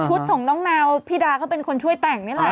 ของน้องนาวพี่ดาเขาเป็นคนช่วยแต่งนี่แหละ